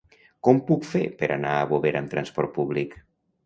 Com ho puc fer per anar a Bovera amb trasport públic?